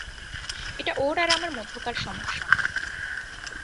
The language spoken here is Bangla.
এটা ওর আর আমার মধ্যকার সমস্যা।